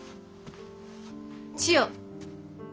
千代。